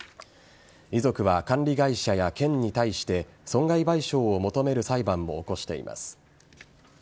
遺族は、管理会社や県に対して損害賠償を求める裁判も起こしています。